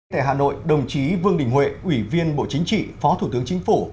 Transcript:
tại hà nội đồng chí vương đình huệ ủy viên bộ chính trị phó thủ tướng chính phủ